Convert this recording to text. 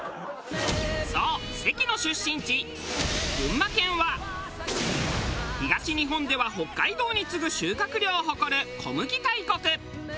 そう関の出身地群馬県は東日本では北海道に次ぐ収穫量を誇る小麦大国。